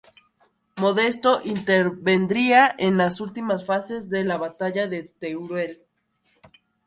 Modesto intervendría en las últimas fases de la Batalla de Teruel.